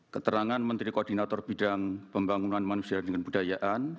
keterangan menteri koordinator bidang pembangunan manusia dan kebudayaan